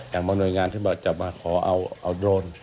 อย่างมีหน่วยงานที่จะมาขอเอาโดรน